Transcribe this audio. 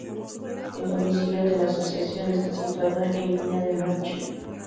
El domicilio de la asociación está situado en Viña del Mar, Chile.